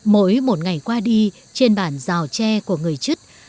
mỗi một ngày qua đi trên bản rào tre của người chất